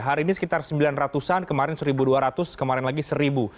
hari ini sekitar sembilan ratus an kemarin satu dua ratus kemarin lagi seribu